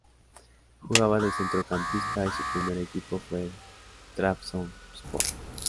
Jugaba de Centrocampista y su primer equipo fue el Trabzonspor.